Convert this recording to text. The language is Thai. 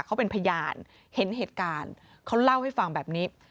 เขาเป็นพยานเห็นเหตุการณ์เขาเล่าให้ฟังแบบนี้